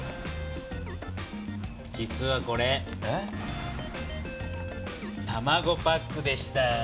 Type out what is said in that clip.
実はこれたまごパックでした。